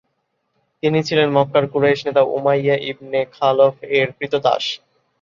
তিনি ছিলেন মক্কার কুরাইশ নেতা উমাইয়া ইবনে খালফ-এর ক্রীতদাস।